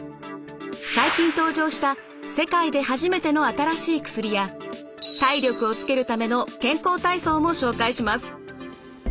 最近登場した世界で初めての新しい薬や体力をつけるための健康体操も紹介します。